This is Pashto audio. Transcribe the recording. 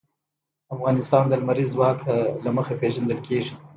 افغانستان د لمریز ځواک له مخې پېژندل کېږي.